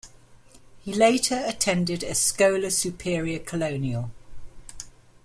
He later attended Escola Superior Colonial.